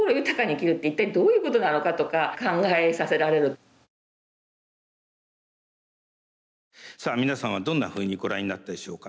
とかそういうところがさあ皆さんはどんなふうにご覧になったでしょうか。